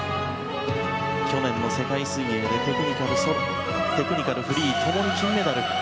去年の世界水泳テクニカル、フリー共に金メダル。